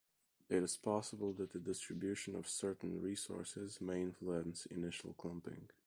It is possible that the distribution of certain resources may influence initial clumping.